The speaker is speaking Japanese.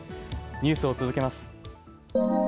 ニュースを続けます。